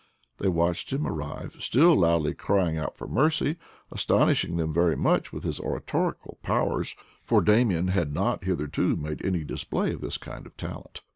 They watched him ar rive, still loudly crying out for mercy, astonishing them very much with his oratorical powers, for Damian had not hitherto made any display of this kind of talent.